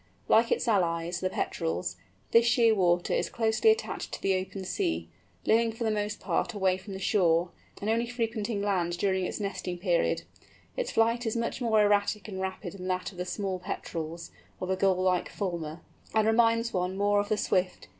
Like its allies, the Petrels, this Shearwater is closely attached to the open sea, living for the most part away from shore, and only frequenting land during its nesting period. Its flight is much more erratic and rapid than that of the small Petrels, or the Gull like Fulmar, and reminds one more of the Swift.